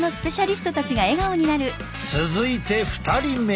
続いて２人目。